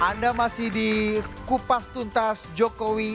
anda masih di kupas tuntas jokowi